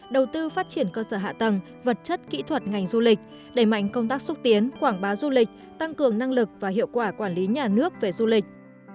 đầu tư phát triển cơ sở hạ tầng vật chất kỹ thuật ngành du lịch đẩy mạnh công tác xúc tiến quảng bá du lịch tăng cường năng lực và hiệu quả quản lý nhà nước về du lịch